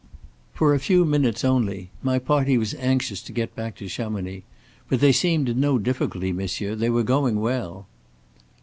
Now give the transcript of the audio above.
"For a few minutes only. My party was anxious to get back to Chamonix. But they seemed in no difficulty, monsieur. They were going well."